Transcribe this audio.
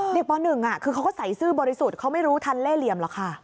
ป๑คือเขาก็ใส่ซื่อบริสุทธิ์เขาไม่รู้ทันเล่เหลี่ยมหรอกค่ะ